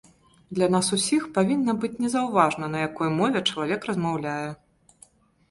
Для нас усіх павінна быць незаўважна, на якой мове чалавек размаўляе.